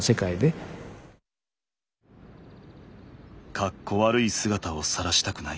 格好悪い姿をさらしたくない。